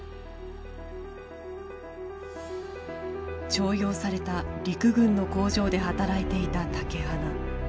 徴用された陸軍の工場で働いていた竹鼻。